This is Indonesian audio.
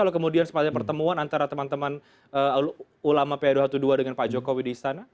jadi ini bukan sebuah pertemuan antara teman teman ulama p dua ratus dua belas dengan pak jokowi di sana